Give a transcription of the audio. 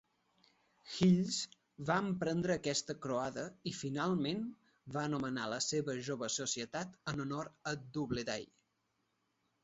Hills va emprendre aquesta croada i, finalment, va anomenar la seva jove societat en honor a Doubleday.